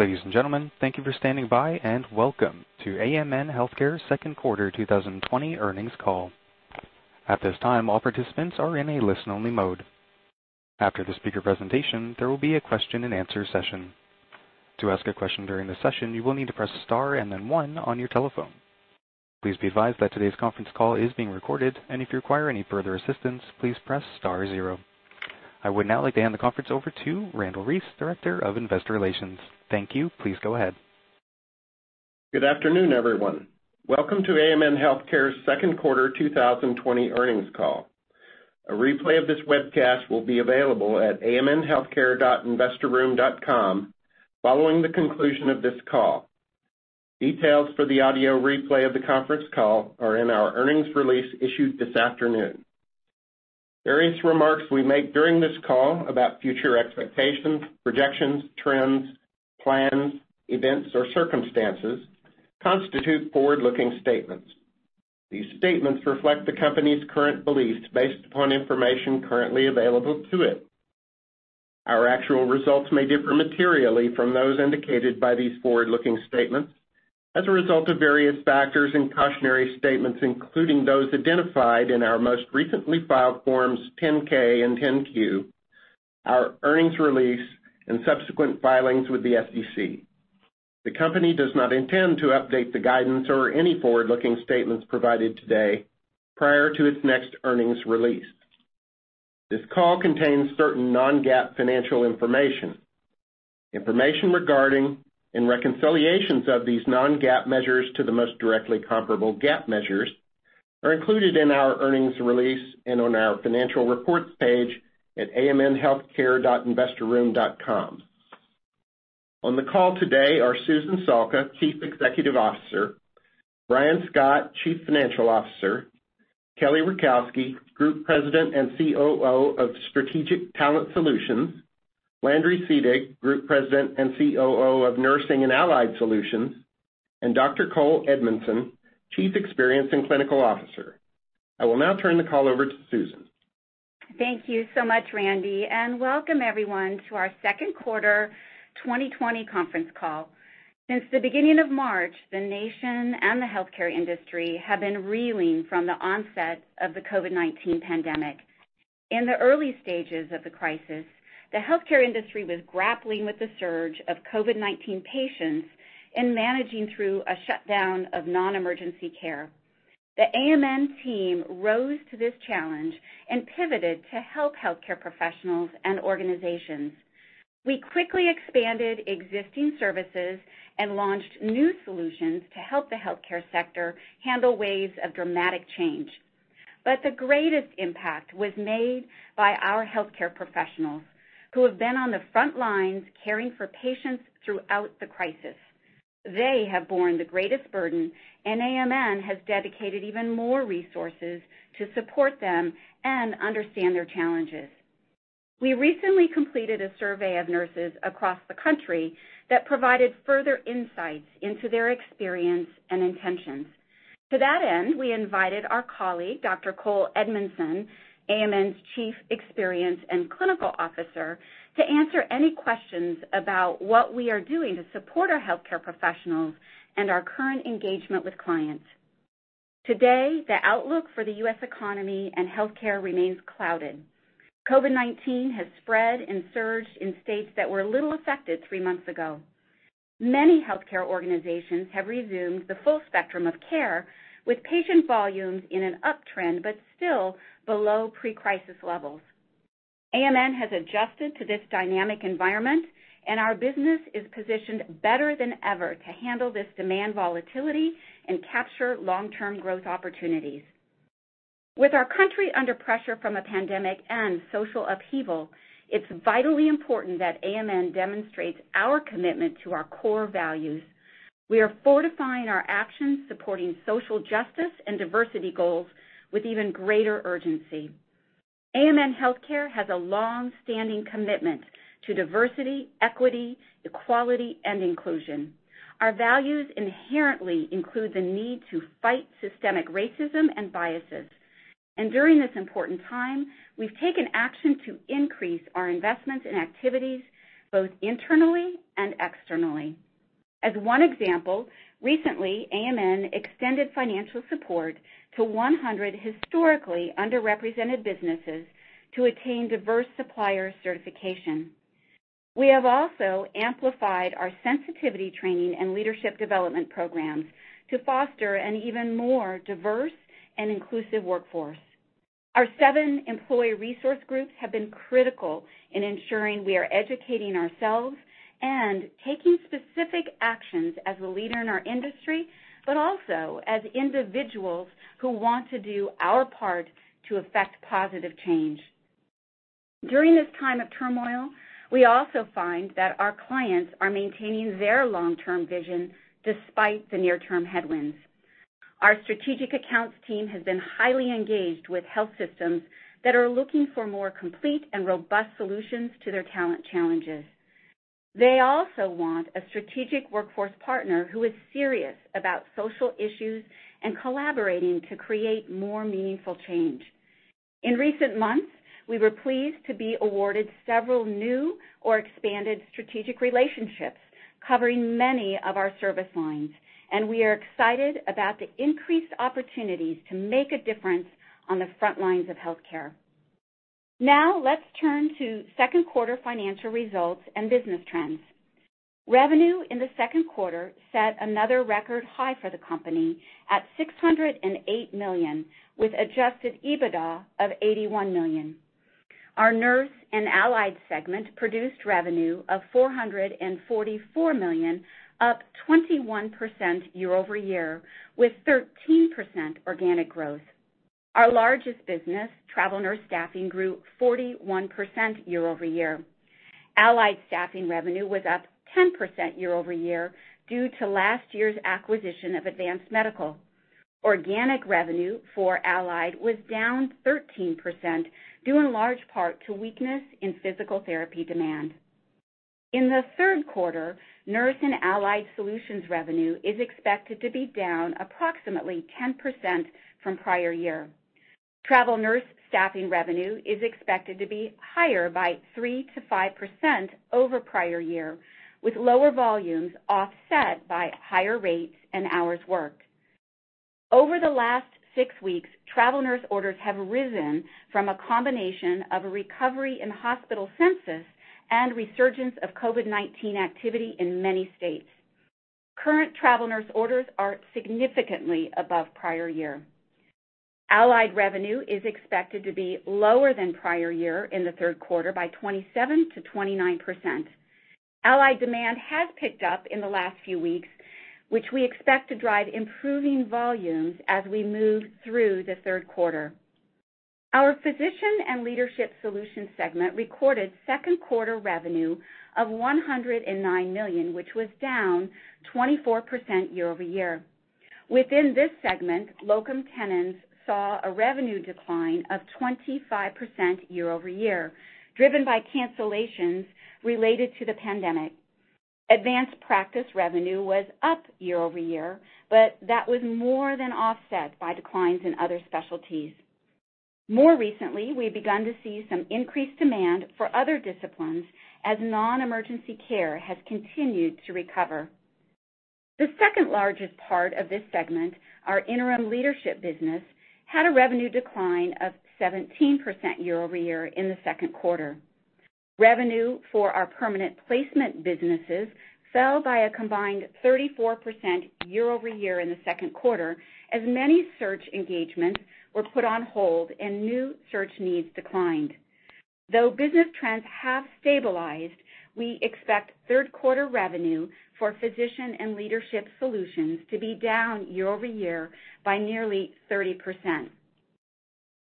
Ladies and gentlemen, thank you for standing by, and welcome to AMN Healthcare's second quarter 2020 earnings call. I would now like to hand the conference over to Randle Reece, Director of Investor Relations. Thank you. Please go ahead. Good afternoon, everyone. Welcome to AMN Healthcare's second quarter 2020 earnings call. A replay of this webcast will be available at amnhealthcare.investorroom.com following the conclusion of this call. Details for the audio replay of the conference call are in our earnings release issued this afternoon. Various remarks we make during this call about future expectations, projections, trends, plans, events, or circumstances constitute forward-looking statements. These statements reflect the company's current beliefs based upon information currently available to it. Our actual results may differ materially from those indicated by these forward-looking statements as a result of various factors and cautionary statements, including those identified in our most recently filed forms 10-K and 10-Q, our earnings release, and subsequent filings with the SEC. The company does not intend to update the guidance or any forward-looking statements provided today prior to its next earnings release. This call contains certain non-GAAP financial information. Information regarding and reconciliations of these non-GAAP measures to the most directly comparable GAAP measures are included in our earnings release and on our financial reports page at amnhealthcare.investorroom.com. On the call today are Susan Salka, Chief Executive Officer, Brian Scott, Chief Financial Officer, Kelly Rakowski, Group President and COO of Strategic Talent Solutions, Landry Seedig, Group President and COO of Nursing and Allied Solutions, and Dr. Cole Edmonson, Chief Experience and Clinical Officer. I will now turn the call over to Susan. Thank you so much, Randy, and welcome everyone to our second quarter 2020 conference call. Since the beginning of March, the nation and the healthcare industry have been reeling from the onset of the COVID-19 pandemic. In the early stages of the crisis, the healthcare industry was grappling with the surge of COVID-19 patients and managing through a shutdown of non-emergency care. The AMN team rose to this challenge and pivoted to help healthcare professionals and organizations. We quickly expanded existing services and launched new solutions to help the healthcare sector handle waves of dramatic change. The greatest impact was made by our healthcare professionals, who have been on the front lines caring for patients throughout the crisis. They have borne the greatest burden, and AMN has dedicated even more resources to support them and understand their challenges. We recently completed a survey of nurses across the country that provided further insights into their experience and intentions. To that end, we invited our colleague, Dr. Cole Edmonson, AMN's Chief Experience and Clinical Officer, to answer any questions about what we are doing to support our healthcare professionals and our current engagement with clients. Today, the outlook for the U.S. economy and healthcare remains clouded. COVID-19 has spread and surged in states that were little affected three months ago. Many healthcare organizations have resumed the full spectrum of care with patient volumes in an uptrend, but still below pre-crisis levels. AMN has adjusted to this dynamic environment, and our business is positioned better than ever to handle this demand volatility and capture long-term growth opportunities. With our country under pressure from a pandemic and social upheaval, it's vitally important that AMN demonstrates our commitment to our core values. We are fortifying our actions supporting social justice and diversity goals with even greater urgency. AMN Healthcare has a longstanding commitment to diversity, equity, equality, and inclusion. Our values inherently include the need to fight systemic racism and biases. During this important time, we've taken action to increase our investments and activities both internally and externally. As one example, recently, AMN extended financial support to 100 historically underrepresented businesses to attain diverse supplier certification. We have also amplified our sensitivity training and leadership development programs to foster an even more diverse and inclusive workforce. Our seven employee resource groups have been critical in ensuring we are educating ourselves and taking specific actions as a leader in our industry, but also as individuals who want to do our part to affect positive change. During this time of turmoil, we also find that our clients are maintaining their long-term vision despite the near-term headwinds. Our strategic accounts team has been highly engaged with health systems that are looking for more complete and robust solutions to their talent challenges. They also want a strategic workforce partner who is serious about social issues and collaborating to create more meaningful change. In recent months, we were pleased to be awarded several new or expanded strategic relationships covering many of our service lines, and we are excited about the increased opportunities to make a difference on the front lines of healthcare. Let's turn to second quarter financial results and business trends. Revenue in the second quarter set another record high for the company at $608 million, with adjusted EBITDA of $81 million. Our Nurse and Allied segment produced revenue of $444 million, up 21% year-over-year with 13% organic growth. Our largest business, Travel Nurse Staffing, grew 41% year-over-year. Allied staffing revenue was up 10% year-over-year due to last year's acquisition of Advanced Medical. Organic revenue for Allied was down 13%, due in large part to weakness in physical therapy demand. In the third quarter, Nurse and Allied Solutions revenue is expected to be down approximately 10% from prior year. Travel Nurse staffing revenue is expected to be higher by 3%-5% over prior year, with lower volumes offset by higher rates and hours worked. Over the last six weeks, Travel Nurse orders have risen from a combination of a recovery in hospital census and resurgence of COVID-19 activity in many states. Current Travel Nurse orders are significantly above prior year. Allied revenue is expected to be lower than prior year in the third quarter by 27% to 29%. Allied demand has picked up in the last few weeks, which we expect to drive improving volumes as we move through the third quarter. Our Physician and Leadership Solutions segment recorded second quarter revenue of $109 million, which was down 24% year-over-year. Within this segment, locum tenens saw a revenue decline of 25% year-over-year, driven by cancellations related to the pandemic. Advanced practice revenue was up year-over-year, but that was more than offset by declines in other specialties. More recently, we've begun to see some increased demand for other disciplines as non-emergency care has continued to recover. The second-largest part of this segment, our interim leadership business, had a revenue decline of 17% year-over-year in the second quarter. Revenue for our permanent placement businesses fell by a combined 34% year-over-year in the second quarter as many search engagements were put on hold and new search needs declined. Though business trends have stabilized, we expect third quarter revenue for Physician and Leadership Solutions to be down year-over-year by nearly 30%.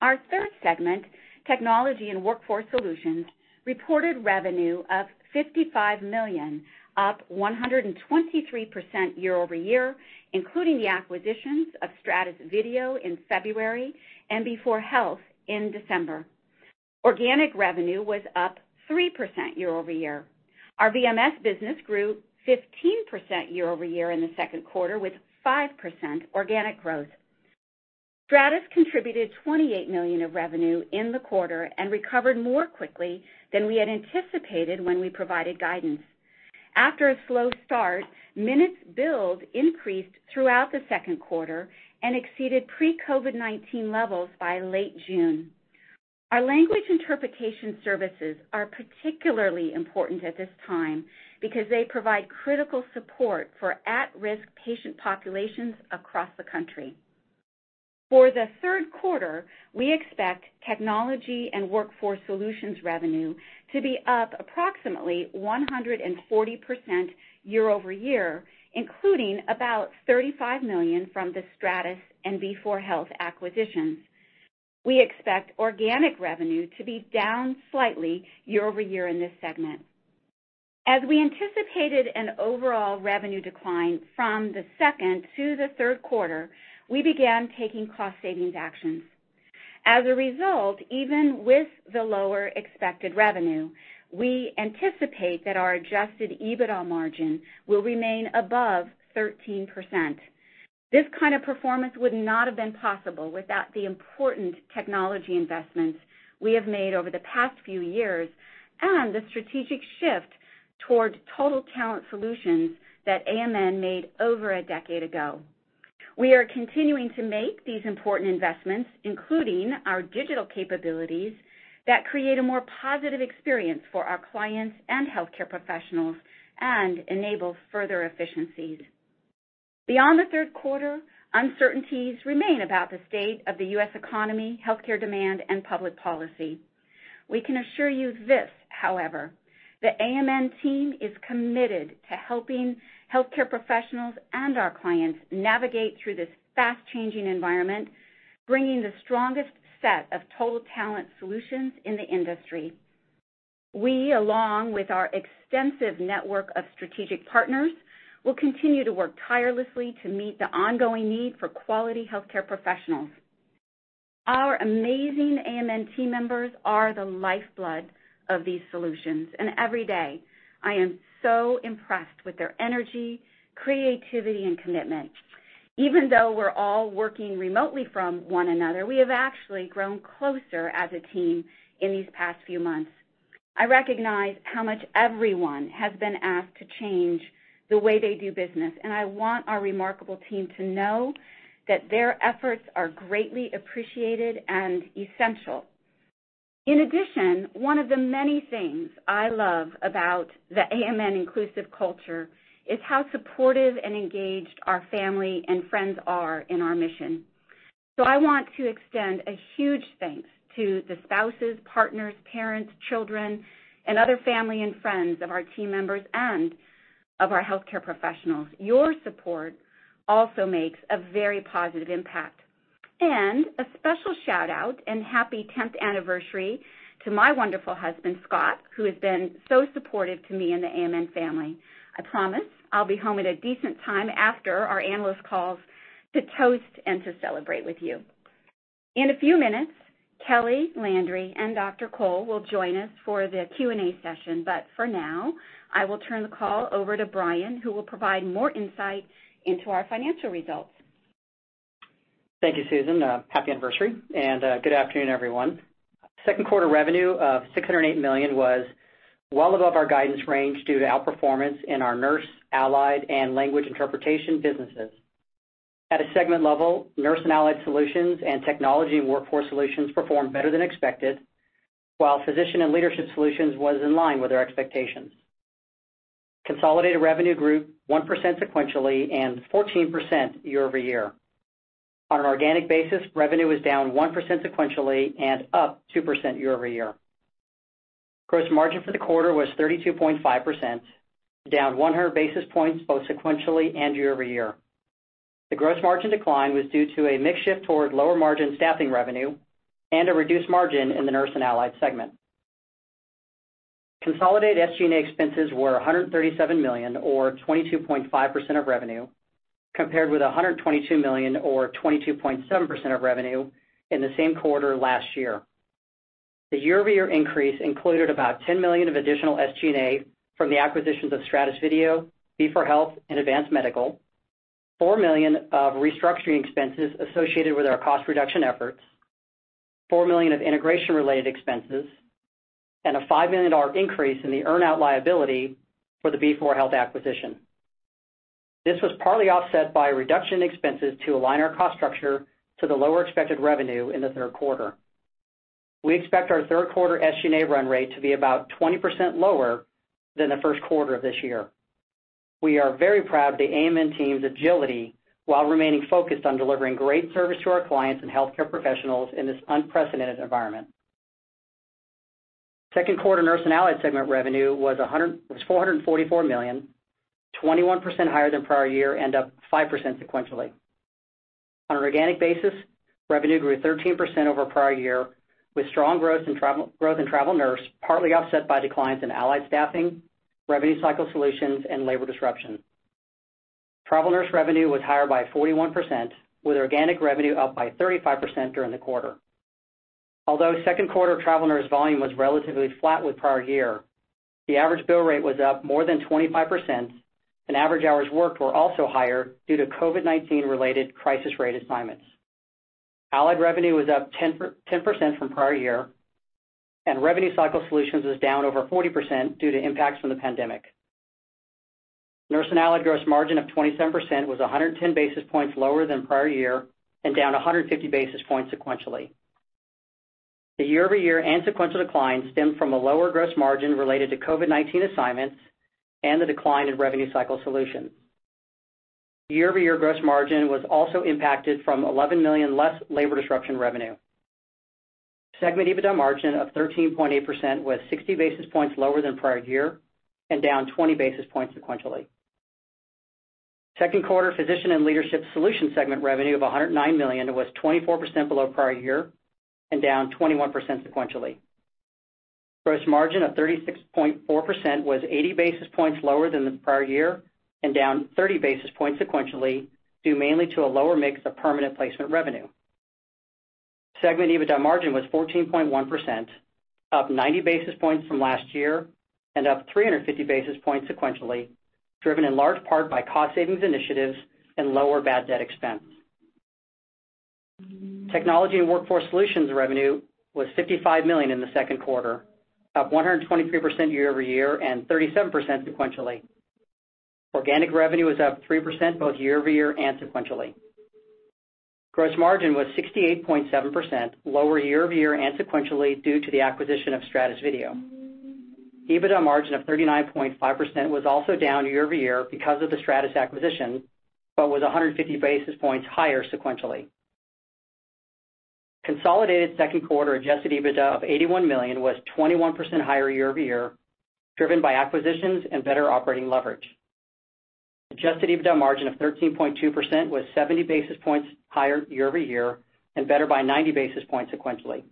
Our third segment, Technology and Workforce Solutions, reported revenue of $55 million, up 123% year-over-year, including the acquisitions of Stratus Video in February and b4health in December. Organic revenue was up 3% year-over-year. Our VMS business grew 15% year-over-year in the second quarter, with 5% organic growth. Stratus contributed $28 million of revenue in the quarter and recovered more quickly than we had anticipated when we provided guidance. After a slow start, minutes billed increased throughout the second quarter and exceeded pre-COVID-19 levels by late June. Our language interpretation services are particularly important at this time because they provide critical support for at-risk patient populations across the country. For the third quarter, we expect Technology and Workforce Solutions revenue to be up approximately 140% year-over-year, including about $35 million from the Stratus and b4health acquisitions. We expect organic revenue to be down slightly year-over-year in this segment. As we anticipated an overall revenue decline from the second to the third quarter, we began taking cost savings actions. As a result, even with the lower expected revenue, we anticipate that our adjusted EBITDA margin will remain above 13%. This kind of performance would not have been possible without the important technology investments we have made over the past few years and the strategic shift toward total talent solutions that AMN made over a decade ago. We are continuing to make these important investments, including our digital capabilities that create a more positive experience for our clients and healthcare professionals and enable further efficiencies. Beyond the third quarter, uncertainties remain about the state of the U.S. economy, healthcare demand, and public policy. We can assure you this, however: the AMN team is committed to helping healthcare professionals and our clients navigate through this fast-changing environment, bringing the strongest set of total talent solutions in the industry. We, along with our extensive network of strategic partners, will continue to work tirelessly to meet the ongoing need for quality healthcare professionals. Our amazing AMN team members are the lifeblood of these solutions, and every day I am so impressed with their energy, creativity, and commitment. Even though we're all working remotely from one another, we have actually grown closer as a team in these past few months. I recognize how much everyone has been asked to change the way they do business, and I want our remarkable team to know that their efforts are greatly appreciated and essential. In addition, one of the many things I love about the AMN inclusive culture is how supportive and engaged our family and friends are in our mission. I want to extend a huge thanks to the spouses, partners, parents, children, and other family and friends of our team members and of our healthcare professionals. Your support also makes a very positive impact. A special shout-out and happy 10th anniversary to my wonderful husband, Scott, who has been so supportive to me and the AMN family. I promise I'll be home at a decent time after our analyst calls to toast and to celebrate with you. In a few minutes, Kelly, Landry, and Dr. Cole will join us for the Q&A session. For now, I will turn the call over to Brian, who will provide more insight into our financial results. Thank you, Susan. Happy anniversary, good afternoon, everyone. Second quarter revenue of $608 million was well above our guidance range due to outperformance in our nurse, allied, and language interpretation businesses. At a segment level, Nurse and Allied Solutions and Technology and Workforce Solutions performed better than expected, while Physician and Leadership Solutions was in line with our expectations. Consolidated revenue grew 1% sequentially and 14% year-over-year. On an organic basis, revenue was down 1% sequentially and up 2% year-over-year. Gross margin for the quarter was 32.5%, down 100 basis points both sequentially and year-over-year. The gross margin decline was due to a mix shift toward lower margin staffing revenue and a reduced margin in the Nurse and Allied segment. Consolidated SG&A expenses were $137 million, or 22.5% of revenue, compared with $122 million, or 22.7% of revenue, in the same quarter last year. The year-over-year increase included about $10 million of additional SG&A from the acquisitions of Stratus Video, b4health, and Advanced Medical, $4 million of restructuring expenses associated with our cost reduction efforts, $4 million of integration related expenses, and a $5 million increase in the earn-out liability for the b4health acquisition. This was partly offset by a reduction in expenses to align our cost structure to the lower expected revenue in the third quarter. We expect our third quarter SG&A run rate to be about 20% lower than the first quarter of this year. We are very proud of the AMN team's agility while remaining focused on delivering great service to our clients and healthcare professionals in this unprecedented environment. Second quarter Nurse and Allied segment revenue was $444 million, 21% higher than prior year, and up 5% sequentially. On an organic basis, revenue grew 13% over prior year, with strong growth in travel nurse partly offset by declines in allied staffing, Revenue Cycle Solutions, and labor disruption. Travel nurse revenue was higher by 41%, with organic revenue up by 35% during the quarter. Although second quarter travel nurse volume was relatively flat with prior year, the average bill rate was up more than 25%, and average hours worked were also higher due to COVID-19 related crisis rate assignments. Allied revenue was up 10% from prior year, and Revenue Cycle Solutions was down over 40% due to impacts from the pandemic. Nurse & Allied gross margin of 27% was 110 basis points lower than prior year and down 150 basis points sequentially. The year-over-year and sequential declines stemmed from a lower gross margin related to COVID-19 assignments and the decline in Revenue Cycle Solutions. Year-over-year gross margin was also impacted from $11 million less labor disruption revenue. Segment EBITDA margin of 13.8% was 60 basis points lower than prior year and down 20 basis points sequentially. Second quarter Physician and Leadership Solutions segment revenue of $109 million was 24% below prior year and down 21% sequentially. Gross margin of 36.4% was 80 basis points lower than the prior year and down 30 basis points sequentially, due mainly to a lower mix of permanent placement revenue. Segment EBITDA margin was 14.1%, up 90 basis points from last year and up 350 basis points sequentially, driven in large part by cost savings initiatives and lower bad debt expense. Technology and Workforce Solutions revenue was $55 million in the second quarter, up 123% year-over-year and 37% sequentially. Organic revenue was up 3%, both year-over-year and sequentially. Gross margin was 68.7%, lower year over year and sequentially due to the acquisition of Stratus Video. EBITDA margin of 39.5% was also down year over year because of the Stratus acquisition, but was 150 basis points higher sequentially. Consolidated second quarter adjusted EBITDA of $81 million was 21% higher year over year, driven by acquisitions and better operating leverage. Adjusted EBITDA margin of 13.2% was 70 basis points higher year over year and better by 90 basis points sequentially.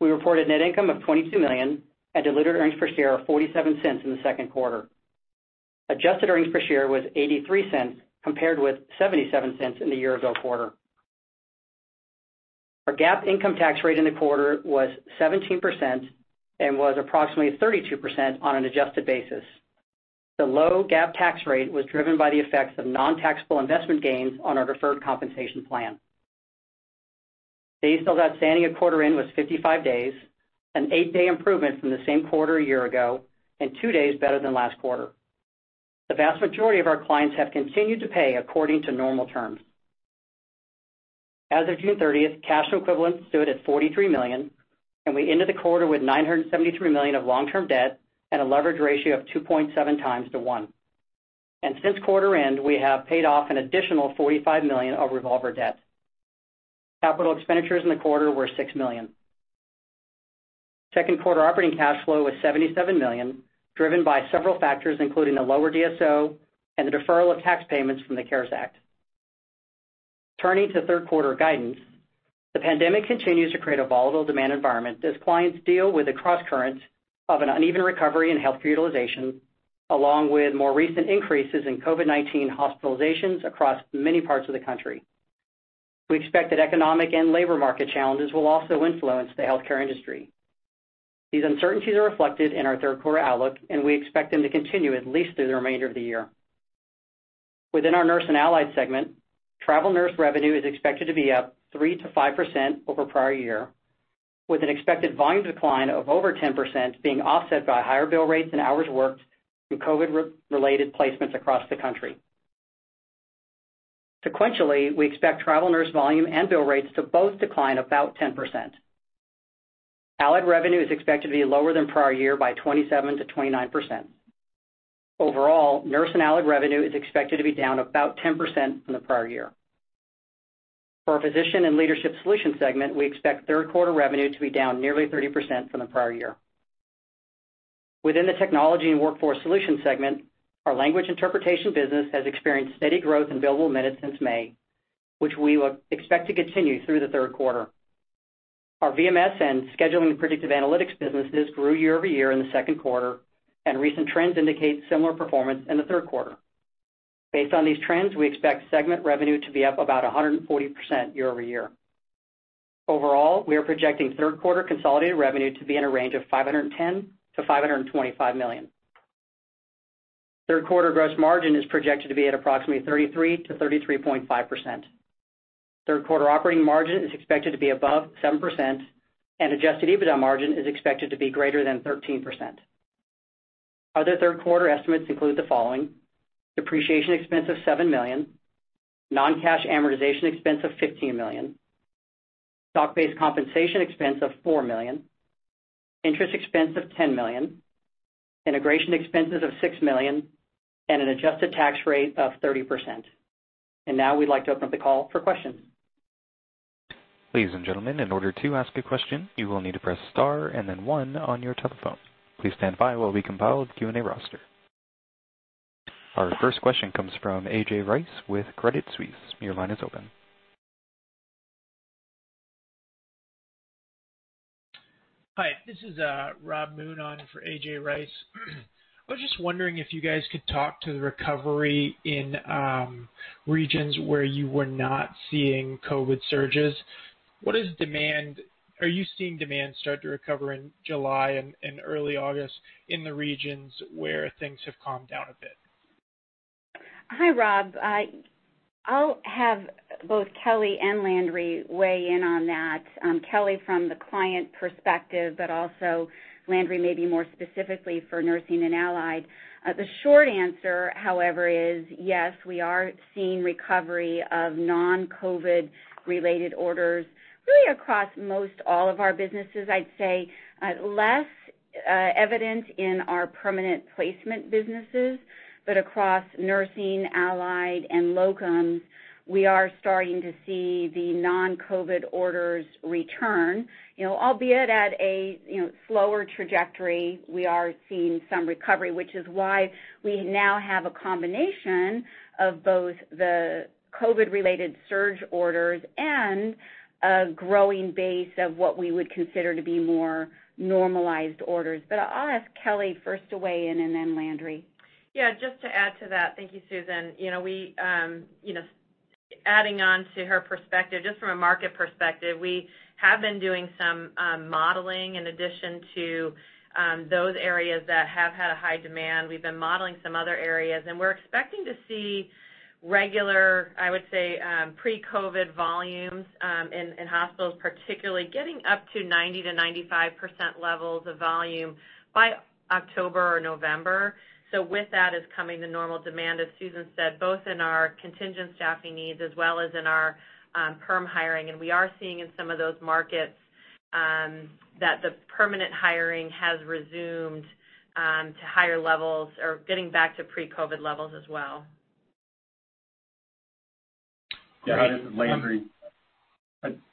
We reported net income of $22 million and diluted earnings per share of $0.47 in the second quarter. Adjusted earnings per share was $0.83 compared with $0.77 in the year-ago quarter. Our GAAP income tax rate in the quarter was 17% and was approximately 32% on an adjusted basis. The low GAAP tax rate was driven by the effects of non-taxable investment gains on our deferred compensation plan. Day sales outstanding a quarter in was 55 days, an eight day improvement from the same quarter a year ago, and two days better than last quarter. The vast majority of our clients have continued to pay according to normal terms. As of June 30th, cash equivalents stood at $43 million, and we ended the quarter with $973 million of long-term debt and a leverage ratio of 2.7 times to one. Since quarter end, we have paid off an additional $45 million of revolver debt. Capital expenditures in the quarter were $6 million. Second quarter operating cash flow was $77 million, driven by several factors, including the lower DSO and the deferral of tax payments from the CARES Act. Turning to third quarter guidance, the pandemic continues to create a volatile demand environment as clients deal with the crosscurrents of an uneven recovery in health utilization, along with more recent increases in COVID-19 hospitalizations across many parts of the country. We expect that economic and labor market challenges will also influence the healthcare industry. These uncertainties are reflected in our third quarter outlook, and we expect them to continue at least through the remainder of the year. Within our Nurse and Allied segment, travel nurse revenue is expected to be up 3%-5% over prior year, with an expected volume decline of over 10% being offset by higher bill rates and hours worked through COVID-related placements across the country. Sequentially, we expect travel nurse volume and bill rates to both decline about 10%. Allied revenue is expected to be lower than prior year by 27%-29%. Overall, Nurse and Allied revenue is expected to be down about 10% from the prior year. For our Physician and Leadership Solution segment, we expect third quarter revenue to be down nearly 30% from the prior year. Within the Technology and Workforce Solutions segment, our language interpretation business has experienced steady growth in billable minutes since May, which we will expect to continue through the third quarter. Our VMS and scheduling and predictive analytics businesses grew year-over-year in the second quarter, and recent trends indicate similar performance in the third quarter. Based on these trends, we expect segment revenue to be up about 140% year-over-year. Overall, we are projecting third quarter consolidated revenue to be in a range of $510 million-$525 million. Third quarter gross margin is projected to be at approximately 33%-33.5%. Third quarter operating margin is expected to be above 7%, and adjusted EBITDA margin is expected to be greater than 13%. Other third quarter estimates include the following: depreciation expense of $7 million, non-cash amortization expense of $15 million, stock-based compensation expense of $4 million, interest expense of $10 million, integration expenses of $6 million, and an adjusted tax rate of 30%. Now we'd like to open up the call for questions. Ladies and gentlemen, in order to ask a question, you will need to press star and then one on your telephone. Our first question comes from A.J. Rice with Credit Suisse. Your line is open. Hi, this is Rob Moon on for A.J. Rice. I was just wondering if you guys could talk to the recovery in regions where you were not seeing COVID surges. Are you seeing demand start to recover in July and early August in the regions where things have calmed down a bit? Hi, Rob. I'll have both Kelly and Landry weigh in on that. Kelly from the client perspective, also Landry maybe more specifically for Nursing and Allied. The short answer, however, is yes, we are seeing recovery of non-COVID related orders really across most all of our businesses. I'd say less evident in our permanent placement businesses, across Nursing, Allied, and locums, we are starting to see the non-COVID orders return. Albeit at a slower trajectory, we are seeing some recovery, which is why we now have a combination of both the COVID related surge orders and a growing base of what we would consider to be more normalized orders. I'll ask Kelly first to weigh in and then Landry. Yeah, just to add to that. Thank you, Susan. Adding on to her perspective, just from a market perspective, we have been doing some modeling in addition to those areas that have had a high demand. We've been modeling some other areas, we're expecting to see regular, I would say, pre-COVID volumes in hospitals, particularly getting up to 90%-95% levels of volume by October or November. With that is coming the normal demand, as Susan said, both in our contingent staffing needs as well as in our perm hiring. We are seeing in some of those markets that the permanent hiring has resumed to higher levels or getting back to pre-COVID levels as well. Great. Yeah, this is Landry.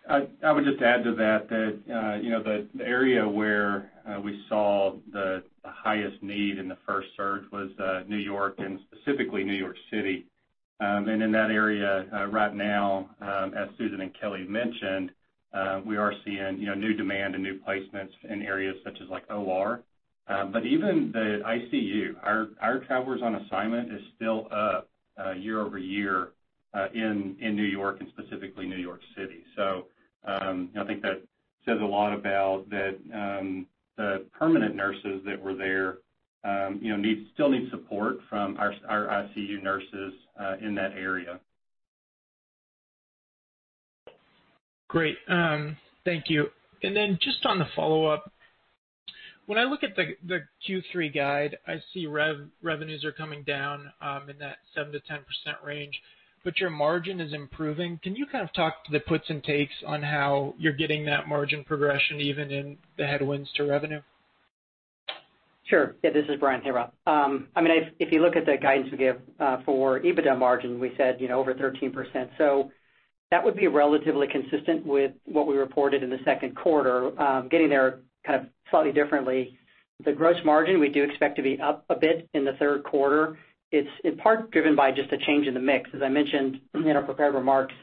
I would just add to that the area where we saw the highest need in the first surge was New York and specifically New York City. In that area right now, as Susan and Kelly mentioned, we are seeing new demand and new placements in areas such as like OR. Even the ICU, our travelers on assignment is still up year-over-year in New York and specifically New York City. I think that says a lot about the permanent nurses that were there still need support from our ICU nurses in that area. Great. Thank you. Just on the follow-up, when I look at the Q3 guide, I see revenues are coming down in that 7%-10% range, but your margin is improving. Can you kind of talk to the puts and takes on how you're getting that margin progression even in the headwinds to revenue? Sure. Yeah, this is Brian here, Rob. If you look at the guidance we give for EBITDA margin, we said over 13%. That would be relatively consistent with what we reported in the second quarter, getting there kind of slightly differently. The gross margin we do expect to be up a bit in the third quarter. It's in part driven by just a change in the mix. As I mentioned in our prepared remarks,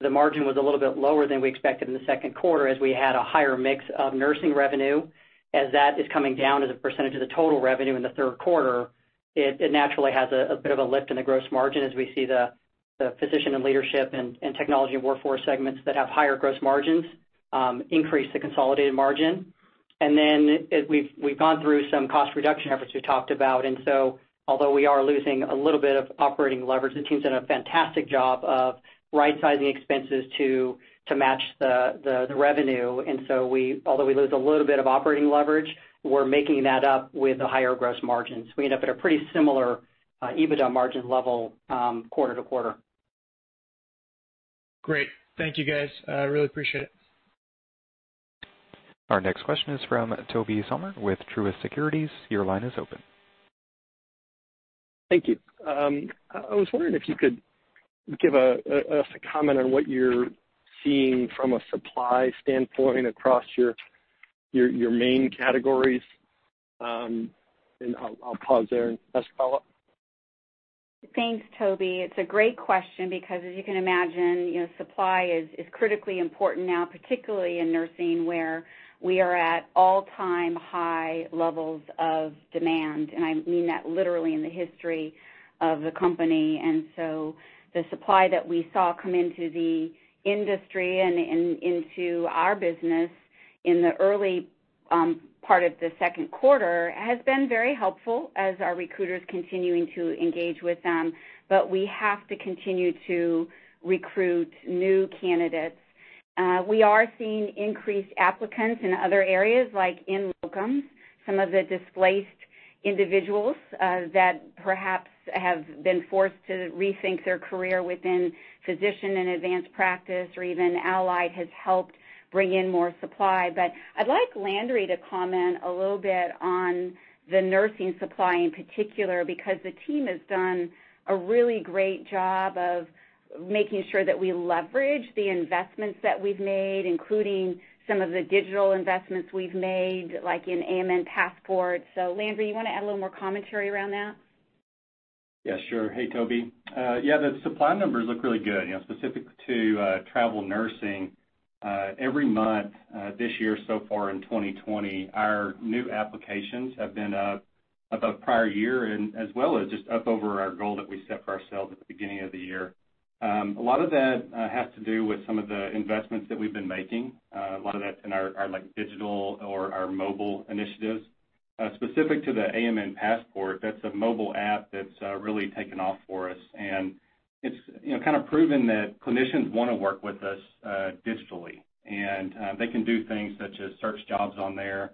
the margin was a little bit lower than we expected in the second quarter as we had a higher mix of nursing revenue. As that is coming down as a percentage of the total revenue in the third quarter, it naturally has a bit of a lift in the gross margin as we see the Physician and Leadership and Technology and Workforce segments that have higher gross margins increase the consolidated margin. As we've gone through some cost reduction efforts we talked about, although we are losing a little bit of operating leverage, the team's done a fantastic job of right-sizing expenses to match the revenue. Although we lose a little bit of operating leverage, we're making that up with the higher gross margins. We end up at a pretty similar EBITDA margin level quarter-to-quarter. Great. Thank you, guys. I really appreciate it. Our next question is from Tobey Sommer with Truist Securities. Your line is open. Thank you. I was wondering if you could give us a comment on what you're seeing from a supply standpoint across your main categories. I'll pause there and just follow up. Thanks, Tobey. It's a great question because as you can imagine, supply is critically important now, particularly in nursing, where we are at all-time high levels of demand, and I mean that literally in the history of the company. The supply that we saw come into the industry and into our business in the early part of the second quarter has been very helpful as our recruiters continuing to engage with them. We have to continue to recruit new candidates. We are seeing increased applicants in other areas, like in locums. Some of the displaced individuals that perhaps have been forced to rethink their career within physician and advanced practice or even allied has helped bring in more supply. I'd like Landry to comment a little bit on the nursing supply in particular, because the team has done a really great job of making sure that we leverage the investments that we've made, including some of the digital investments we've made, like in AMN Passport. Landry, you want to add a little more commentary around that? Sure. Hey, Tobey. The supply numbers look really good. Specific to travel nursing, every month this year so far in 2020, our new applications have been up above prior year and as well as just up over our goal that we set for ourselves at the beginning of the year. A lot of that has to do with some of the investments that we've been making. A lot of that in our digital or our mobile initiatives. Specific to the AMN Passport, that's a mobile app that's really taken off for us. It's kind of proven that clinicians want to work with us digitally. They can do things such as search jobs on there.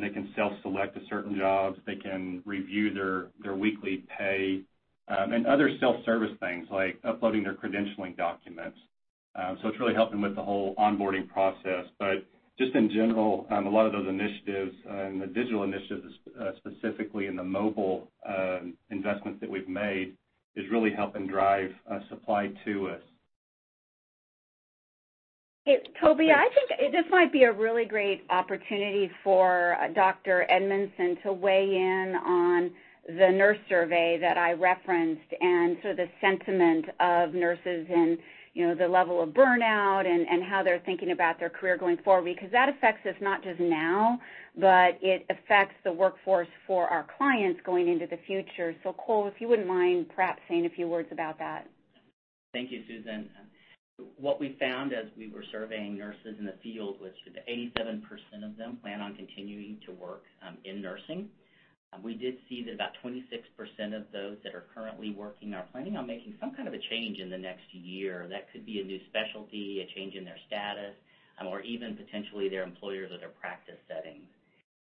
They can self-select a certain job. They can review their weekly pay, and other self-service things like uploading their credentialing documents. It's really helping with the whole onboarding process. Just in general, a lot of those initiatives and the digital initiatives, specifically in the mobile investments that we've made, is really helping drive supply to us. Tobey, I think this might be a really great opportunity for Dr. Edmonson to weigh in on the nurse survey that I referenced and sort of the sentiment of nurses and the level of burnout and how they're thinking about their career going forward. That affects us not just now, but it affects the workforce for our clients going into the future. Cole, if you wouldn't mind perhaps saying a few words about that. Thank you, Susan. What we found as we were surveying nurses in the field was 87% of them plan on continuing to work in nursing. We did see that about 26% of those that are currently working are planning on making some kind of a change in the next year. That could be a new specialty, a change in their status, or even potentially their employer or their practice setting.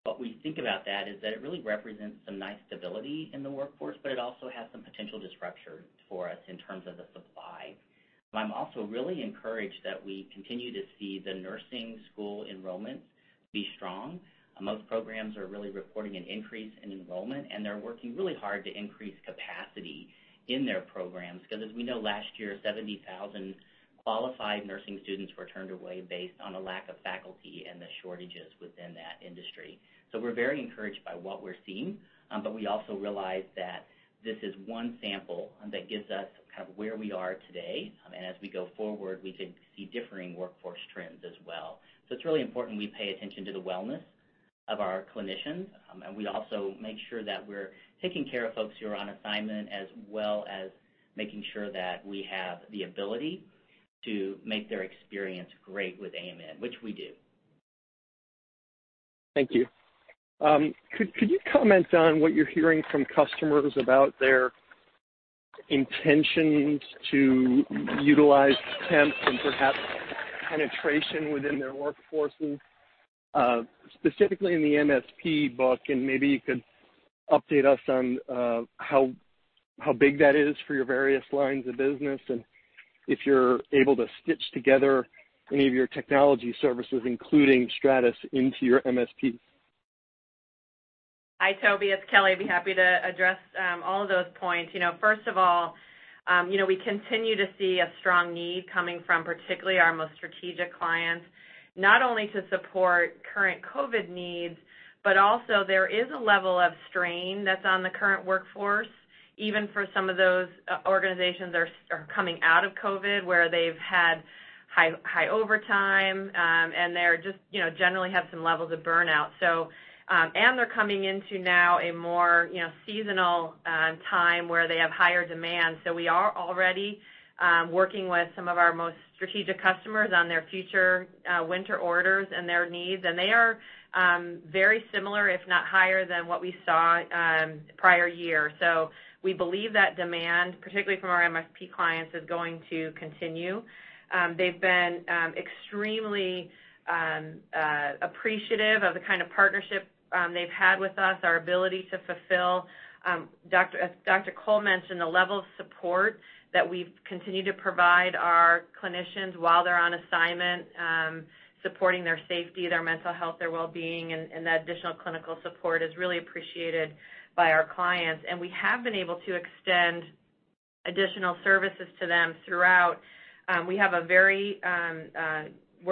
What we think about that is that it really represents some nice stability in the workforce, but it also has some potential disruption for us in terms of the supply. I'm also really encouraged that we continue to see the nursing school enrollments be strong. Most programs are really reporting an increase in enrollment, and they're working really hard to increase capacity in their programs because as we know, last year, 70,000 qualified nursing students were turned away based on a lack of faculty and the shortages within that industry. We're very encouraged by what we're seeing. We also realize that this is one sample that gives us kind of where we are today, and as we go forward, we could see differing workforce trends as well. It's really important we pay attention to the wellness of our clinicians. We also make sure that we're taking care of folks who are on assignment, as well as making sure that we have the ability to make their experience great with AMN, which we do. Thank you. Could you comment on what you're hearing from customers about their intentions to utilize temps and perhaps penetration within their workforces, specifically in the MSP book? Maybe you could update us on how big that is for your various lines of business and if you're able to stitch together any of your technology services, including Stratus, into your MSPs. Hi, Tobey, it's Kelly. I'd be happy to address all of those points. First of all, we continue to see a strong need coming from particularly our most strategic clients, not only to support current COVID needs, but also there is a level of strain that's on the current workforce, even for some of those organizations that are coming out of COVID, where they've had high overtime, and they're just generally have some levels of burnout. They're coming into now a more seasonal time where they have higher demand. We are already working with some of our most strategic customers on their future winter orders and their needs. They are very similar, if not higher than what we saw prior year. We believe that demand, particularly from our MSP clients, is going to continue. They've been extremely appreciative of the kind of partnership they've had with us, our ability to fulfill, as Dr. Cole mentioned, the level of support that we've continued to provide our clinicians while they're on assignment, supporting their safety, their mental health, their wellbeing, and that additional clinical support is really appreciated by our clients. We have been able to extend additional services to them throughout. We're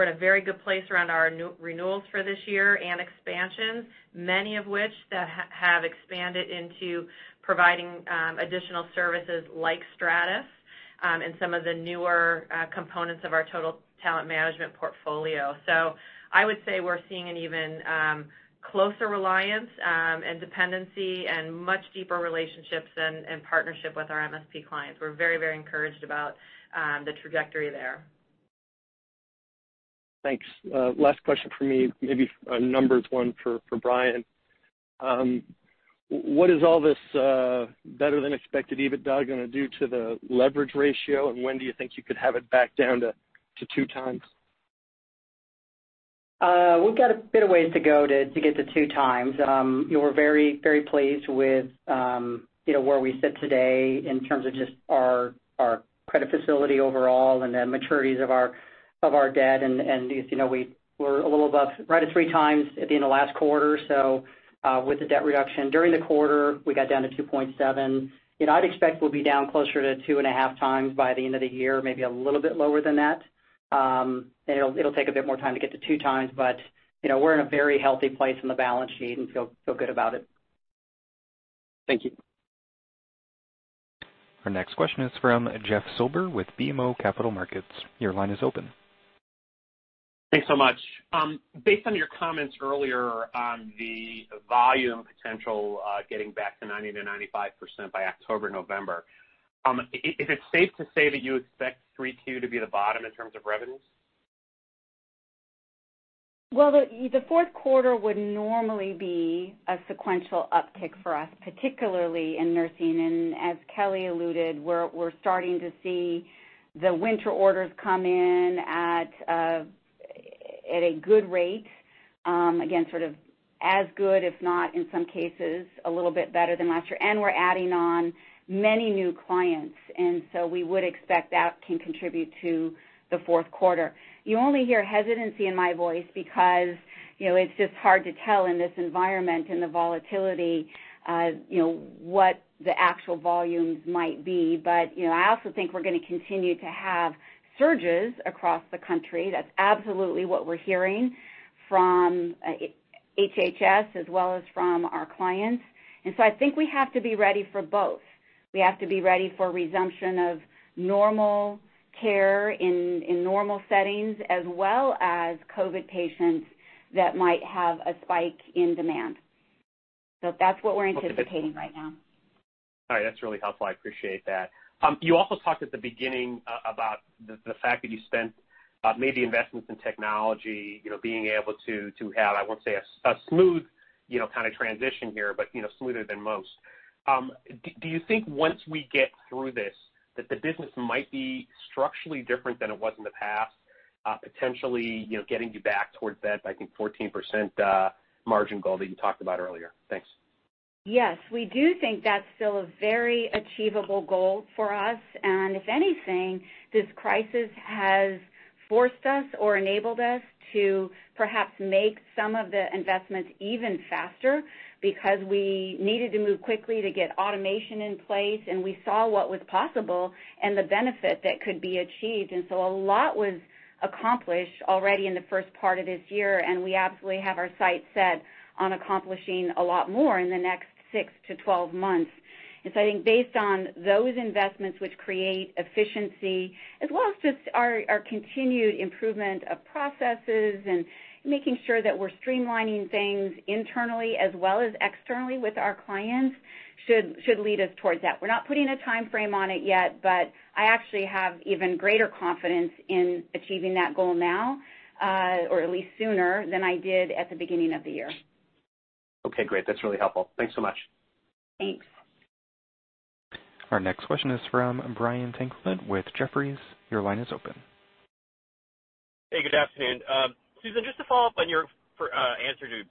in a very good place around our renewals for this year and expansions, many of which that have expanded into providing additional services like Stratus and some of the newer components of our total talent management portfolio. I would say we're seeing an even closer reliance and dependency and much deeper relationships and partnership with our MSP clients. We're very encouraged about the trajectory there. Thanks. Last question from me, maybe a numbers one for Brian. What is all this better than expected EBITDA going to do to the leverage ratio, and when do you think you could have it back down to two times? We've got a bit of ways to go to get to 2 times. We're very pleased with where we sit today in terms of just our credit facility overall and the maturities of our debt. As you know, we were a little above right at 3 times at the end of last quarter. With the debt reduction during the quarter, we got down to 2.7. I'd expect we'll be down closer to 2.5 times by the end of the year, maybe a little bit lower than that. It'll take a bit more time to get to 2 times, but we're in a very healthy place in the balance sheet and feel good about it. Thank you. Our next question is from Jeff Silber with BMO Capital Markets. Your line is open. Thanks so much. Based on your comments earlier on the volume potential getting back to 90%-95% by October, November, is it safe to say that you expect 3Q to be the bottom in terms of revenues? Well, the fourth quarter would normally be a sequential uptick for us, particularly in nursing. As Kelly alluded, we're starting to see the winter orders come in at a good rate. Sort of as good, if not in some cases, a little bit better than last year. We're adding on many new clients. We would expect that can contribute to the fourth quarter. You only hear hesitancy in my voice because it's just hard to tell in this environment and the volatility, what the actual volumes might be. I also think we're going to continue to have surges across the country. That's absolutely what we're hearing from HHS as well as from our clients. I think we have to be ready for both. We have to be ready for resumption of normal care in normal settings as well as COVID patients that might have a spike in demand. That's what we're anticipating right now. All right. That's really helpful. I appreciate that. You also talked at the beginning about the fact that you spent, made the investments in technology, being able to have, I won't say a smooth kind of transition here, but smoother than most. Do you think once we get through this, that the business might be structurally different than it was in the past, potentially getting you back towards that, I think, 14% margin goal that you talked about earlier? Thanks. Yes, we do think that's still a very achievable goal for us. If anything, this crisis has forced us or enabled us to perhaps make some of the investments even faster because we needed to move quickly to get automation in place, and we saw what was possible and the benefit that could be achieved. A lot was accomplished already in the first part of this year, and we absolutely have our sights set on accomplishing a lot more in the next six to 12 months. I think based on those investments which create efficiency as well as just our continued improvement of processes and making sure that we're streamlining things internally as well as externally with our clients Should lead us towards that. We're not putting a timeframe on it yet, but I actually have even greater confidence in achieving that goal now, or at least sooner, than I did at the beginning of the year. Okay, great. That's really helpful. Thanks so much. Thanks. Our next question is from Brian Tanquilut with Jefferies. Your line is open. Hey, good afternoon. Susan, just to follow up on your answer to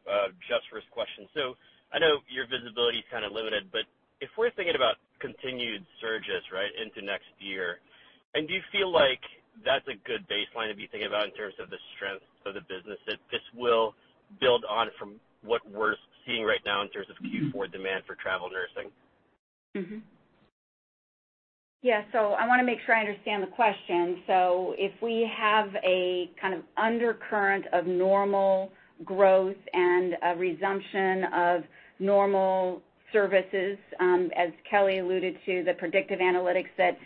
Jeff's first question. I know your visibility's kind of limited, but if we're thinking about continued surges into next year, and do you feel like that's a good baseline to be thinking about in terms of the strength of the business, that this will build on from what we're seeing right now in terms of Q4 demand for travel nursing? Yeah. I want to make sure I understand the question. If we have a kind of undercurrent of normal growth and a resumption of normal services, as Kelly alluded to, the predictive analytics that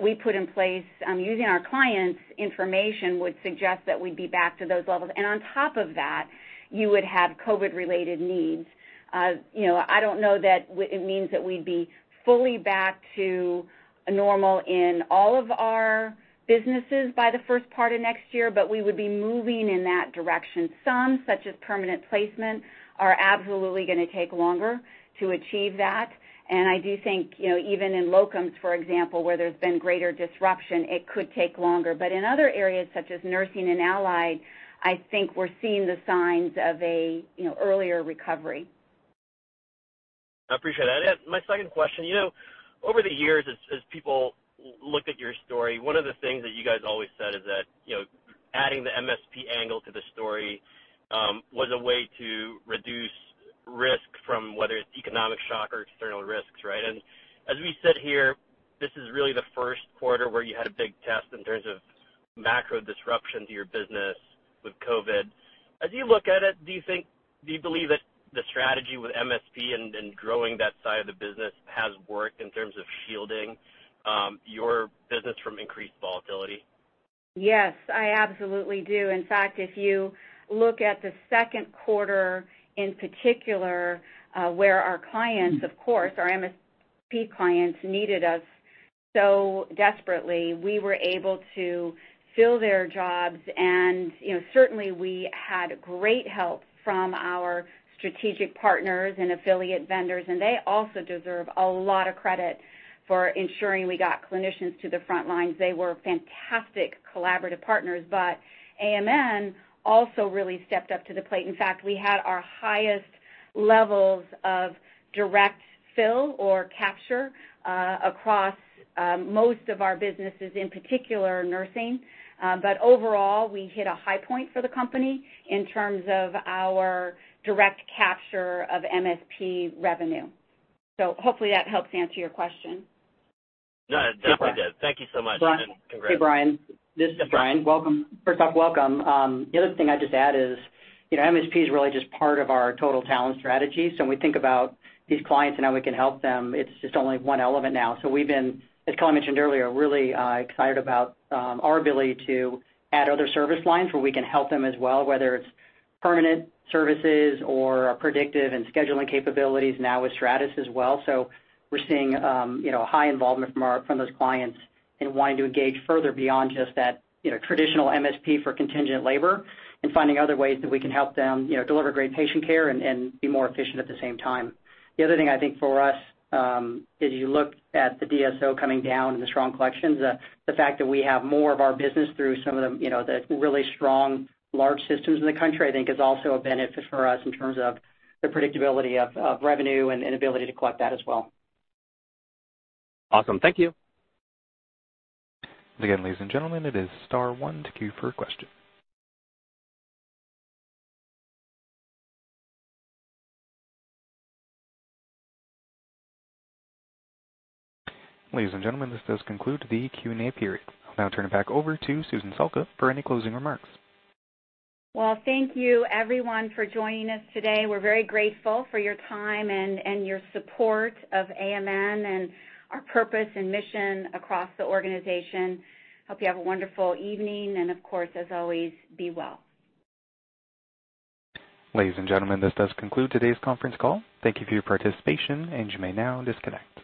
we put in place using our clients' information would suggest that we'd be back to those levels. On top of that, you would have COVID-related needs. I don't know that it means that we'd be fully back to normal in all of our businesses by the first part of next year, but we would be moving in that direction. Some, such as permanent placement, are absolutely going to take longer to achieve that. I do think, even in locums, for example, where there's been greater disruption, it could take longer. In other areas such as nursing and allied, I think we're seeing the signs of a earlier recovery. I appreciate that. My second question, over the years, as people looked at your story, one of the things that you guys always said is that adding the MSP angle to the story was a way to reduce risk from whether it's economic shock or external risks. As we sit here, this is really the first quarter where you had a big test in terms of macro disruption to your business with COVID-19. As you look at it, do you believe that the strategy with MSP and growing that side of the business has worked in terms of shielding your business from increased volatility? Yes, I absolutely do. In fact, if you look at the second quarter in particular, where our clients, of course, our MSP clients needed us so desperately, we were able to fill their jobs. Certainly, we had great help from our strategic partners and affiliate vendors, and they also deserve a lot of credit for ensuring we got clinicians to the front lines. They were fantastic collaborative partners. AMN also really stepped up to the plate. In fact, we had our highest levels of direct fill or capture across most of our businesses, in particular nursing. Overall, we hit a high point for the company in terms of our direct capture of MSP revenue. Hopefully that helps answer your question. No, it definitely did. Thank you so much. Congrats. Hey, Brian. This is Brian. Yeah. First off, welcome. The other thing I'd just add is, MSP is really just part of our total talent strategy. When we think about these clients and how we can help them, it's just only one element now. We've been, as Kelly mentioned earlier, really excited about our ability to add other service lines where we can help them as well, whether it's permanent services or our predictive and scheduling capabilities now with Stratus as well. We're seeing high involvement from those clients in wanting to engage further beyond just that traditional MSP for contingent labor and finding other ways that we can help them deliver great patient care and be more efficient at the same time. The other thing I think for us, as you look at the DSO coming down and the strong collections, the fact that we have more of our business through some of the really strong large systems in the country, I think, is also a benefit for us in terms of the predictability of revenue and ability to collect that as well. Awesome. Thank you. Again, ladies and gentlemen, it is star one to queue for a question. Ladies and gentlemen, this does conclude the Q&A period. I'll now turn it back over to Susan Salka for any closing remarks. Thank you everyone for joining us today. We're very grateful for your time and your support of AMN and our purpose and mission across the organization. Hope you have a wonderful evening, and of course, as always, be well. Ladies and gentlemen, this does conclude today's conference call. Thank you for your participation and you may now disconnect.